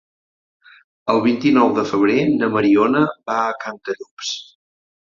El vint-i-nou de febrer na Mariona va a Cantallops.